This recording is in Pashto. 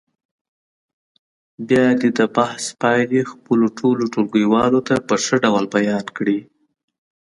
بیا دې د بحث پایلې خپلو ټولو ټولګیوالو ته په ښه ډول بیان کړي.